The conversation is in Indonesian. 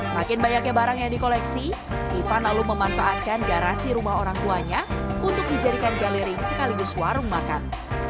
makin banyaknya barang yang di koleksi ivan lalu memanfaatkan garasi rumah orang tuanya untuk dijadikan galeri sekaligus warung makan